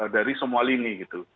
dari semua lini gitu